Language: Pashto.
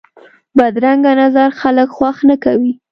بدرنګه نظر خلک خوښ نه کوي